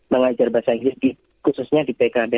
biggest challenge dia selama